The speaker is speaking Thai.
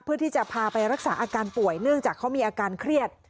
เพื่อที่จะพาไปรักษาอาการป่วยเนื่องจากเขามีอาการเครียด